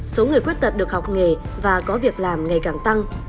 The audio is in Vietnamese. số người khuyết tật được học nghề và có việc làm ngày càng tăng